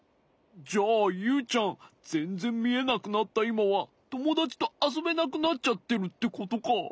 じゃあユウちゃんぜんぜんみえなくなったいまはともだちとあそべなくなっちゃってるってことか？